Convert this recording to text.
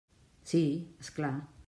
Sí, és clar.